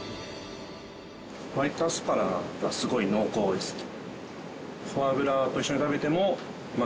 ホワイトアスパラがすごい濃厚ですね。